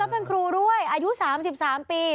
แล้วเป็นครูด้วยอายุ๓๐แล้ว๑๓ปี